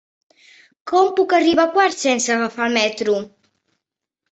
Com puc arribar a Quart sense agafar el metro?